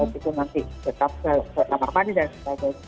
dan itu nanti tetap selama lamanya dan sebagainya